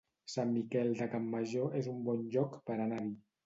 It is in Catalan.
Sant Miquel de Campmajor es un bon lloc per anar-hi